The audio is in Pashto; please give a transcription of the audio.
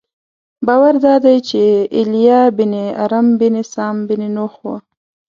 باور دادی چې ایلیا بن ارم بن سام بن نوح و.